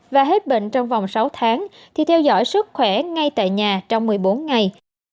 và hết bệnh trong vòng sáu tháng thì theo dõi sức khỏe ngay tại nhà trong một mươi bốn ngày